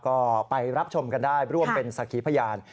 ก็ไปรับชมกันได้ร่วมเป็นสักขีพยาน